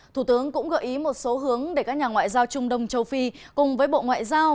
thủ tướng cũng gợi ý một số hướng để các nhà ngoại giao trung đông châu phi cùng với bộ ngoại giao